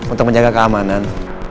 untuk menjaga keamanan